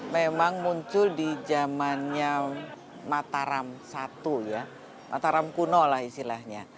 memang muncul di zamannya mataram satu ya mataram kuno lah istilahnya